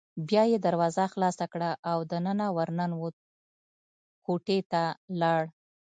بیا یې دروازه خلاصه کړه او دننه ور ننوت، کوټې ته لاړ.